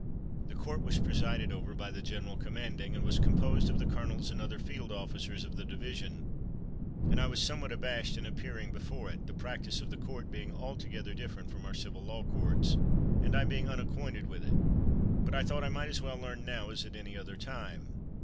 The court was presided over by the general commanding, and was composed of the colonels and other field officers of the division, and I was somewhat abashed in appearing before it, the practice of the court being altogether different from our civil law courts, and I being unacquainted with it; but I thought I might as well learn now as at any other time.